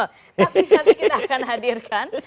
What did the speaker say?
tapi nanti kita akan hadirkan